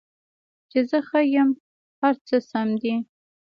چې زه ښه یم، هر څه سم دي